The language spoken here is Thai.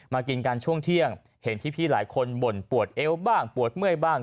กินกันช่วงเที่ยงเห็นพี่หลายคนบ่นปวดเอวบ้างปวดเมื่อยบ้าง